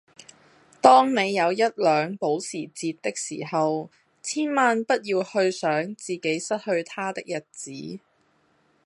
當你有一輛保時捷的時候，千萬不要去想自己失去它的日子